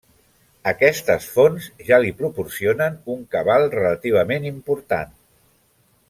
Aquestes fonts ja li proporcionen un cabal relativament important.